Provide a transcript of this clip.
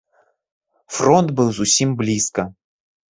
Фронт быў зусім блізка.